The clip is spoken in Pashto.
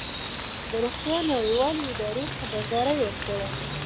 د روغتیا نړیوالې ادارې خبرداری ورکړی